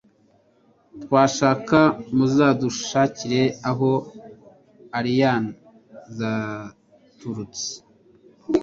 Twashaka Muzadushakire Aho Aliens Zaturutse